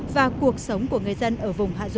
và cuộc sống của người dân ở vùng hạ du